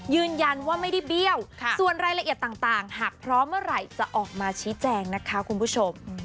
ยืนยันว่าไม่ได้เบี้ยวส่วนรายละเอียดต่างหากพร้อมเมื่อไหร่จะออกมาชี้แจงนะคะคุณผู้ชม